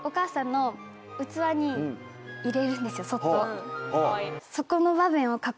そっと。